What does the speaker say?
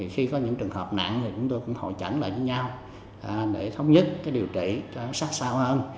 khi có những trường hợp nặng chúng tôi cũng hội chẳng lại với nhau để thống nhất điều trị sát sao hơn